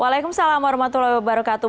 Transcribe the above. waalaikumsalam warahmatullahi wabarakatuh